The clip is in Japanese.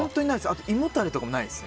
あと胃もたれとかもないです。